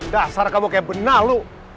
dasar kamu kayak benak lu